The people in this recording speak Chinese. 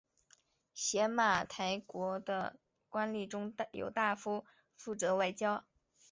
邪马台国的官吏中有大夫负责外交。